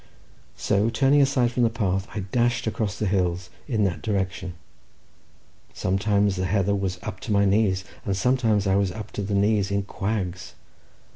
So turning aside from the path, I dashed across the hills in that direction; sometimes the heather was up to my knees, and sometimes I was up to the knees in quags.